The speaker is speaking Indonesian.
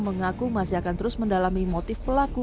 mengaku masih akan terus mendalami motif pelaku